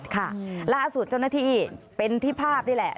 ค่ะล่าสุดเจ้าหน้าที่เป็นที่ภาพนี่แหละ